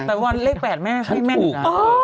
แต่ว่าเลข๘แม่ไม่แม่นจ้ะ